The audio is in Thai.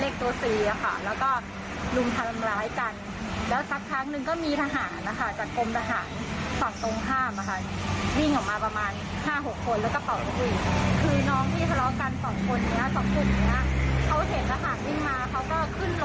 ขึ้นรถขึ้นรถต่างคนต่างขึ้นรถแล้วก็หนิ่มไปค่ะ